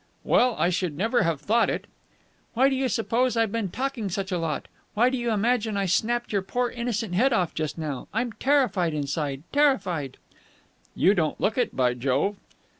"Well, I should never have thought it." "Why do you suppose I've been talking such a lot? Why do you imagine I snapped your poor, innocent head off just now! I'm terrified inside, terrified!" "You don't look it, by Jove!"